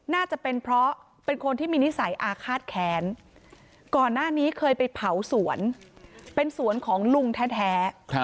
น่าจะเป็นเพราะเป็นคนที่มีนิสัยอาฆาตแค้นก่อนหน้านี้เคยไปเผาสวนเป็นสวนของลุงแท้